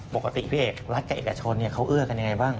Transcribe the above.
ปกติรักรักษาเอกชนเขาเอื้อกันอย่างไรบ้าง